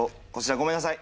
ごめんなさい。